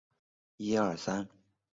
有这么灵？